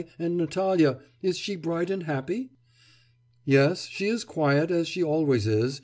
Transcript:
And Natalya, is she bright and happy?' 'Yes. She is quiet, as she always is.